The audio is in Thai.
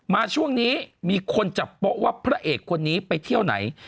มาช่วงนี้มีคนจับโป๊ะว่าพระเอกคนนี้ไปเที่ยวไหน